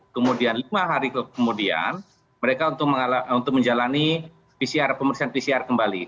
kemudian lima hari kemudian mereka untuk menjalani pcr pemeriksaan pcr kembali